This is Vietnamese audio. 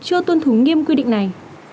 chưa tuân thúng nghiêm quy định này